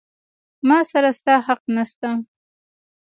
ما سره ستا حق نسته.